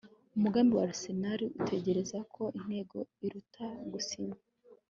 Umugani wa Arsenal utekereza ko intego iruta gusinya